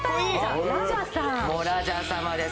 もうラジャ様です